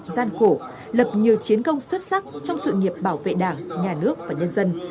gian khổ lập nhiều chiến công xuất sắc trong sự nghiệp bảo vệ đảng nhà nước và nhân dân